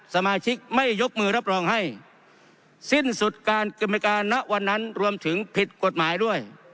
สมาชิกไม่ยกมือรับรองให้สิ้นสุดการกรรมการณวันนั้นรวมถึงผิดกฎหมายด้วย